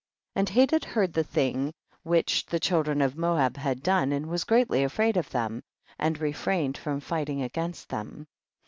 6. And Hadad heard the thing which the children of Moab had done, and was greatly afraid of them, and refrained from fighting against them.